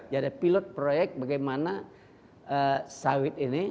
jadi pilot proyek bagaimana sawit ini